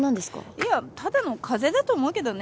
いやただの風邪だと思うけどね。